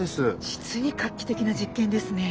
実に画期的な実験ですね。